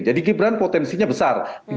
jadi gibran potensinya besar